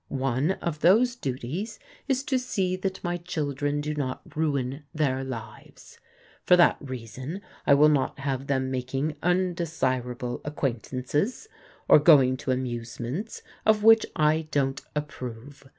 One of those duties is to see that my children do not ruin their lives. For that reason I will not have them making tmdesirable acquaintances, or go ing to amusements of which I don't approve.